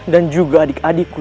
dan juga adik adikku